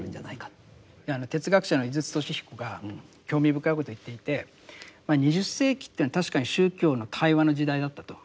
哲学者の井筒俊彦が興味深いことを言っていて２０世紀っていうのは確かに宗教の対話の時代だったと。